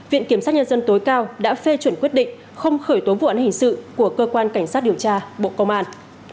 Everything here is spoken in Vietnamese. viện kiểm sát nhân dân tối cao đã phê chuẩn quyết định không khởi tố vụ án hình sự của cơ quan cảnh sát điều tra bộ công an